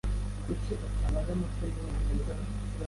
Kuki utabaza Mutoni wenyine?